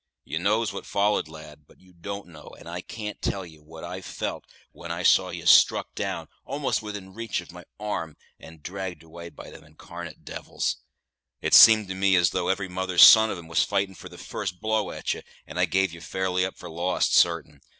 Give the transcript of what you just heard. You knows what foller'd, lad, but you don't know, and I can't tell ye, what I felt when I saw ye struck down almost within reach of my arm, and dragged away by them incarnate devils. It seemed to me as though every mother's son of 'em was fighting for the first blow at ye, and I gave ye fairly up for lost, sartain.